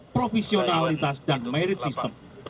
profesionalitas dan merit system